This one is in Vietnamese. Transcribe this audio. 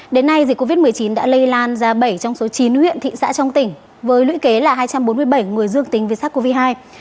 đến nay dịch covid một mươi chín đã lây lan ra bảy trong số chín huyện thị xã trong tỉnh với lưỡi kế là hai trăm bốn mươi bảy người dương tính việt sắc covid hai